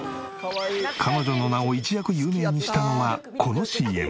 彼女の名を一躍有名にしたのはこのＣＭ。